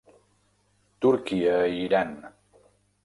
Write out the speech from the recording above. Turquia i Iran.